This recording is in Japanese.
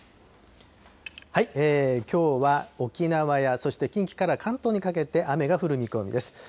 きょうは沖縄やそして近畿から関東にかけて、雨が降る見込みです。